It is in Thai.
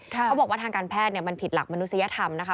เขาบอกว่าทางการแพทย์มันผิดหลักมนุษยธรรมนะคะ